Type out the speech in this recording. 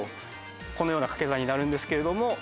このようなかけ算になるんですけれども。